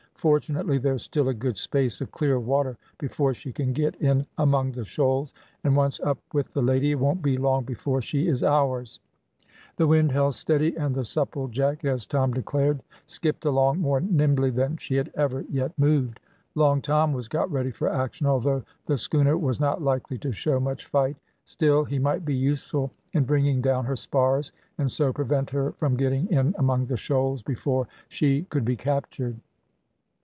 Fortunately there is still a good space of clear water before she can get in among the shoals, and once up with the lady, it won't be long before she is ours." The wind held steady, and the Supplejack, as Tom declared, skipped along more nimbly than she had ever yet moved. Long Tom was got ready for action, although the schooner was not likely to show much fight; still he might be useful in bringing down her spars, and so prevent her from getting in among the shoals before she could be captured.